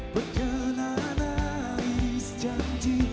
perkenalan iris janji